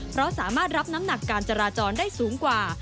เพราะสามารถรับน้ำหนักการจราจรได้สูงกว่า